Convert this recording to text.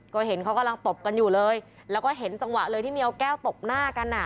ก็เห็นเขากำลังตบกันอยู่เลยแล้วก็เห็นจังหวะเลยที่มีเอาแก้วตบหน้ากันอ่ะ